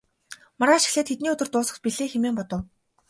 Маргааш эхлээд хэдний өдөр дуусах билээ хэмээн бодов.